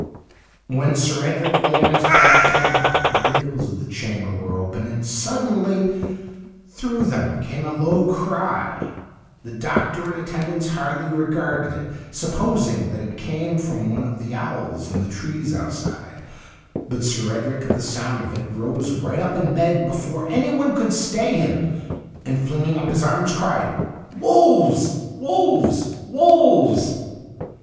When Sir Edric lay on his death bed the windows of the chamber were open, and suddenly thi ough them came a low cry. The doctor in attendance hardly regarded it, sup posing that it came from one of the owls in the trees outside. But Sir Edric, at the sound of it, rose right up in bed before anyone could stay him, and flinging up his arms cried, ' Wolves ! wolves ! wolves